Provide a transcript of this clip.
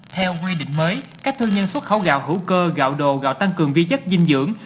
theo quy định mới các thương nhân xuất khẩu gạo hữu cơ gạo đồ gạo tăng cường vi chất dinh dưỡng